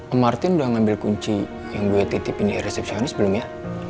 em martin udah ngambil kunci yang gue titipin di resepsi sebelumnya